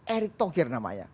erick thokir namanya